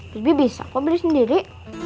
bibi bisa kok beli sendiri